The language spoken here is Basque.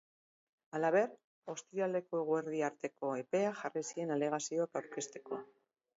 Halaber, ostiralekoeguerdia arteko epea jarri zien alegazioak aurkezteko.